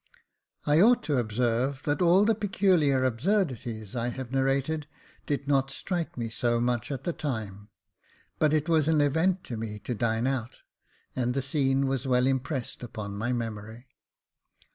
I ought to observe that all the peculiar absurdities I have narrated did not strike me so much at the time j but it was an event to me to dine out, and the scene was well impressed upon my memory.